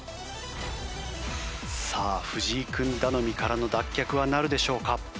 さあ藤井君頼みからの脱却はなるでしょうか？